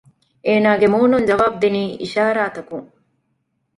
އޭނާގެ މޫނުން ޖަވާބު ދިނީ އިޝާރާތަކުން